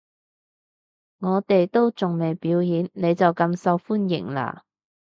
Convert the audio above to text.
我哋都仲未表演，你就咁受歡迎喇